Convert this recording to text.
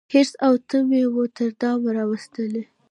حرص او تمي وو تر دامه راوستلی